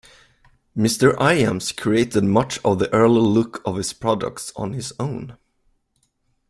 Mr. Iams created much of the early look of his products on his own.